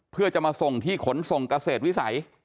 เพื่อจะมาส่งที่ขนส่งเกษตรวิสัย